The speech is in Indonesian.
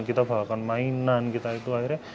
kita bawakan mainan kita itu akhirnya